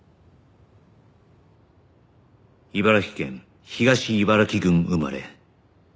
茨城県東茨城郡生まれ